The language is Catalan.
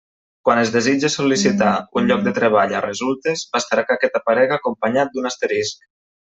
Quan es desitge sol·licitar un lloc de treball a resultes, bastarà que aquest aparega acompanyat d'un asterisc.